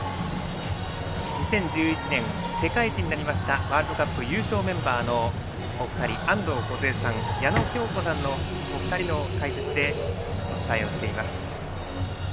２０１１年、世界一になりましたワールドカップ優勝メンバー安藤梢さん、矢野喬子さんのお二人の解説でお伝えをしています。